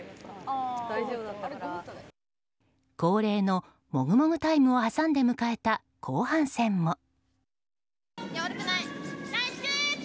恒例のもぐもぐタイムを挟んで迎えた後半戦も。